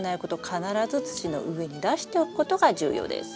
必ず土の上に出しておくことが重要です。